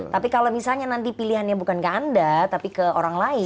tapi kalau misalnya nanti pilihannya bukan ke anda tapi ke orang lain